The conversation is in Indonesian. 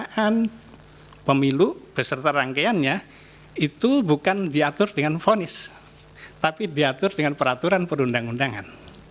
pelaksanaan pemilu beserta rangkaiannya itu bukan diatur dengan fonis tapi diatur dengan peraturan perundang undangan